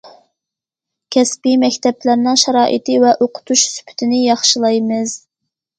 كەسپىي مەكتەپلەرنىڭ شارائىتى ۋە ئوقۇتۇش سۈپىتىنى ياخشىلايمىز.